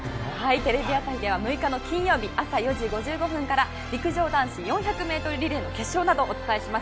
テレビ朝日では６日の金曜日朝４時５５分から陸上男子４００ｍリレーの決勝などをお伝えします。